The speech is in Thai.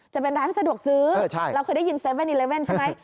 จะเป็นร้านสะดวกซื้อเราเคยได้ยิน๗๑๑ใช่ไหม